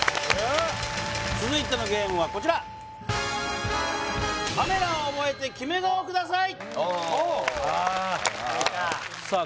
続いてのゲームはこちらああさあ